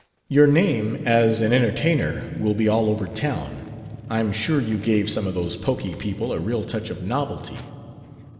"Your name as an entertainer will be all over town! I'm sure you gave some of those poky people a real touch of novelty!"